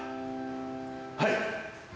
はい。